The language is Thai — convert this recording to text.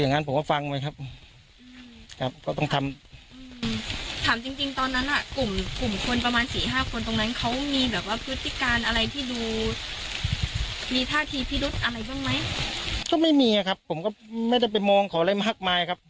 มีท่าทีพิรุษอะไรบ้างไหมก็ไม่มีอ่ะครับผมก็ไม่ได้ไปมองขออะไรมาหักมายครับ